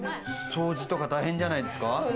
掃除とか大変じゃないですか？